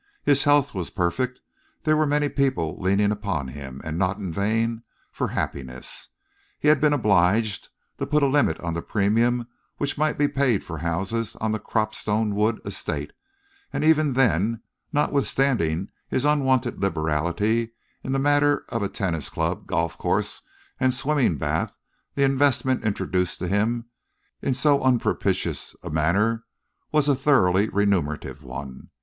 His health was perfect. There were many people leaning upon him, and not in vain, for happiness. He had been obliged to put a limit on the premium which might be paid for houses on the Cropstone Wood Estate, and even then, notwithstanding his unwonted liberality in the matter of a tennis club, golf course and swimming bath, the investment introduced to him in so unpropitious a manner was a thoroughly remunerative one.